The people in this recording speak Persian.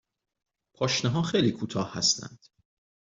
پاشنه ها خیلی کوتاه هستند.